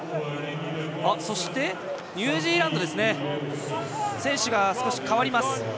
そしてニュージーランド選手が代わります。